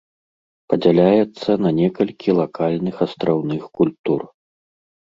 Падзяляецца на некалькі лакальных астраўных культур.